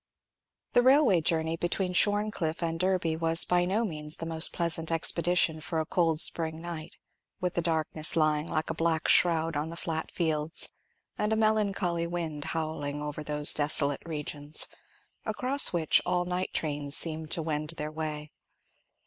The railway journey between Shorncliffe and Derby was by no means the most pleasant expedition for a cold spring night, with the darkness lying like a black shroud on the flat fields, and a melancholy wind howling over those desolate regions, across which all night trains seem to wend their way.